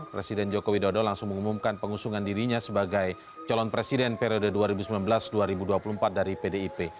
presiden joko widodo langsung mengumumkan pengusungan dirinya sebagai calon presiden periode dua ribu sembilan belas dua ribu dua puluh empat dari pdip